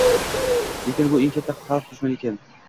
Lekin bu — eng katta xalq dushmani ekan